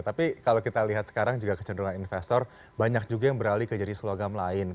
tapi kalau kita lihat sekarang juga kecenderungan investor banyak juga yang beralih ke jadi slogan lain